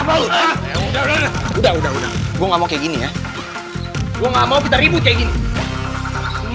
malu udah udah gua mau kayak gini ya gua nggak mau kita ribut kayak gini